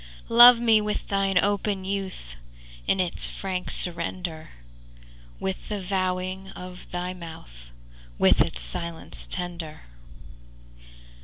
II Love me with thine open youth In its frank surrender; With the vowing of thy mouth, With its silence tender.